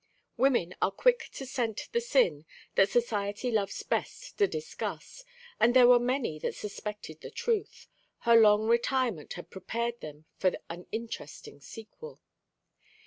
Women are quick to scent the sin that society loves best to discuss, and there were many that suspected the truth: her long retirement had prepared them for an interesting sequel.